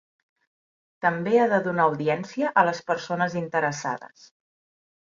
També ha de donar audiència a les persones interessades.